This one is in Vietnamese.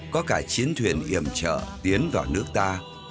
có cả chiến thuyền yểm trợ tiến vào nước ta